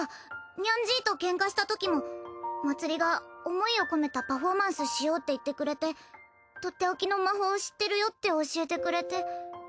にゃんじいとケンカしたときもまつりが思いを込めたパフォーマンスしようって言ってくれてとっておきの魔法知ってるよって教えてくれて。